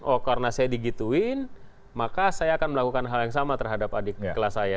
oh karena saya digituin maka saya akan melakukan hal yang sama terhadap adik kelas saya